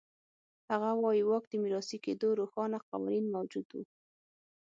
هغه وایي واک د میراثي کېدو روښانه قوانین موجود و.